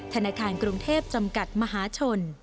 ธนาคารกรุงเทพจำกัดมหาชน